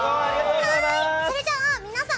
それじゃあ皆さん